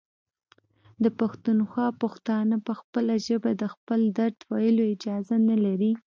د پښتونخوا پښتانه په خپله ژبه د خپل درد ویلو اجازه نلري.